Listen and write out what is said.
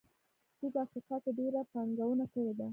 دوی په افریقا کې ډېره پانګونه کړې ده.